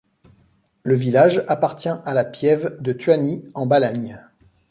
Le village appartient à la piève de Tuani, en Balagne.